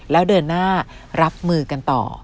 แล้วเดินหน้ารับมือกันต่อ